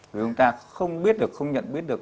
chúng ta không biết được không nhận biết được